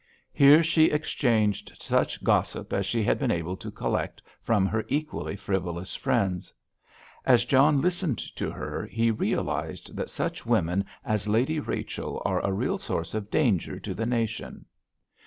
Here she exchanged such gossip as she had been able to collect from her equally frivolous friends. As John listened to her he realised that such women as Lady Rachel are a real source of danger to the nation.